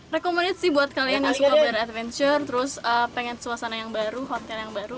recommended sih buat kalian yang suka bayar adventure terus pengen suasana yang baru hotel yang baru